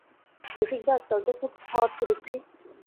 রসিকদা, আজকাল তো খুব খাওয়াচ্ছ দেখছি।